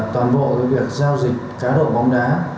toàn bộ với việc giao dịch cá đậu bóng đá